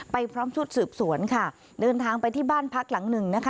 พร้อมชุดสืบสวนค่ะเดินทางไปที่บ้านพักหลังหนึ่งนะคะ